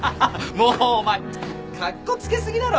もうお前カッコつけ過ぎだろ。